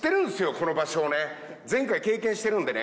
この場所前回経験してるんでね。